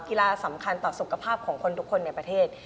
กีฬาสำคัญต่อสุขภาพของคนทุกคนในประเทศ